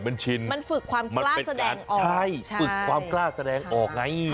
มันชินฝึกความกล้าแซนกออก